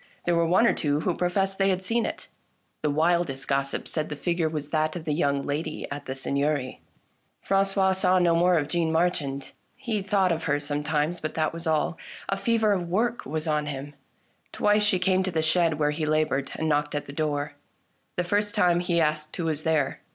There were one or two who pro fessed they had seen it. The wildest gossip said that the figure was that of the young lady at the Seigneury. Francois saw no more of Jeanne Marchand ; he thought of her sometimes, but that was all. A fever of work was on him. Twice she came to the shed where he laboured, and knocked at the door. The first time, he asked who was there.